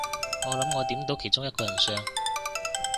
我諗我點到其中一個人相